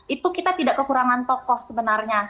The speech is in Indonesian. itu kita tidak kekurangan tokoh sebenarnya